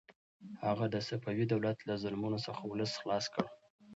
هغه د صفوي دولت له ظلمونو څخه ولس خلاص کړ.